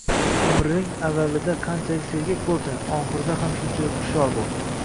Umring avvalida qanchalik sergak bo‘lsang, oxirida ham shunchalik hushyor bo‘l.